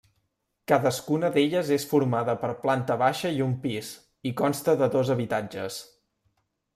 Cadascuna d'elles és formada per planta baixa i un pis, i consta de dos habitatges.